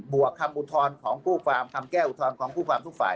วกคำอุทธรณ์ของผู้ฟาร์มคำแก้อุทธรณ์ของผู้ความทุกฝ่าย